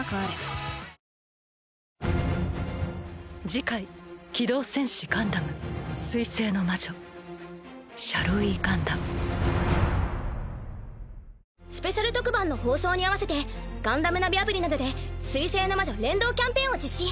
次回「機動戦士ガンダム水星の魔女」「スペシャル特番」の放送に合わせて「ガンダムナビアプリ」などで「水星の魔女」連動キャンペーンを実施。